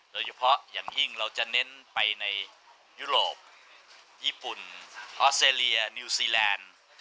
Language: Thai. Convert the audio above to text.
โดยเฉพาะอย่างยิ่งเราจะเน้นไปในยุโรปญี่ปุ่นออสเตรเลียนิวซีแลนด์